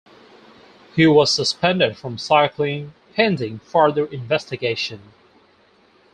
He was suspended from cycling pending further investigation.